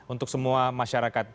untuk semua masyarakat